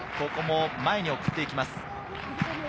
ここも前に送っていきます。